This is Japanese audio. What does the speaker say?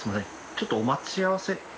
ちょっと待ち合わせ。